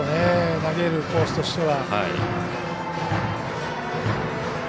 投げるコースとしては。